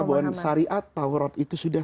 bahwa syariat tawrat itu sudah